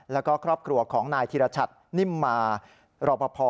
แล้วก็ครอบครัวของนายธิรชัตนิ่มมารอปภ